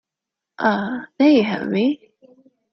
Ah, there you have me.